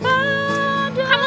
kamu gak perlu tahu